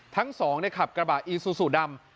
ทั้งสองขับกระบะอีซูซูดำ